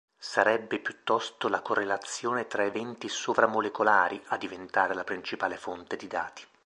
Sarebbe piuttosto la correlazione fra eventi sovra-molecolari a diventare la principale fonte di dati.